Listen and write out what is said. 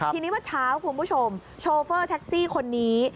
ทีนี้เมื่อเช้าคุณผู้ชมโชเฟอร์แท็กซี่คนนี้